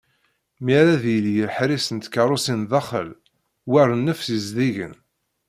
Mi ara d-yili leḥris n tkerrusin daxel, war nnefs yezdigen.